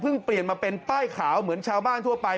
เปลี่ยนมาเป็นป้ายขาวเหมือนชาวบ้านทั่วไป